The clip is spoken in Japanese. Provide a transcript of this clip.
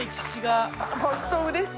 ホントうれしい。